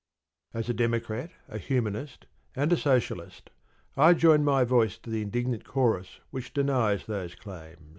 As a Democrat, a Humanist, and a Socialist, I join my voice to the indignant chorus which denies those claims.